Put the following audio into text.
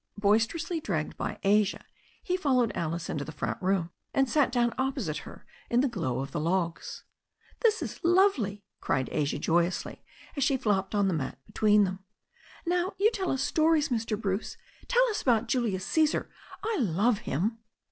Boisterously dragged by Asia, he followed Alice into the front room, and sat down opposite her in the glow of the logs. "This is lovely," cried Asia joyously, as she flopped on to the mat between them. "Now you tell us stories, Mr. Bruce. Tell us about Julius Caesar. I love him."